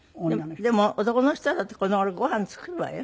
でも男の人だってこの頃ごはん作るわよ？